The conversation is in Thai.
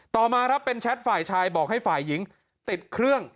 ต่อมาครับเป็นแชทฝ่ายชายบอกให้ฝ่ายหญิงติดเครื่อง